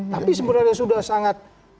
tapi sebenarnya sudah sangat